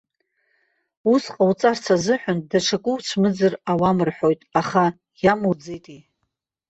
Уск ҟауҵарц азыҳәан, даҽакы уцәмыӡыр ауам рҳәоит, аха иамуӡеитеи!